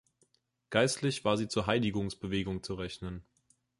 Geistlich war sie zur Heiligungsbewegung zu rechnen.